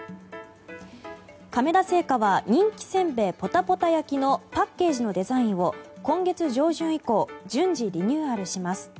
亀田製菓は人気せんべい、ぽたぽた焼のパッケージのデザインを今月上旬以降順次リニューアルします。